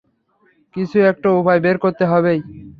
কিছু একটা উপাই বের হবেই।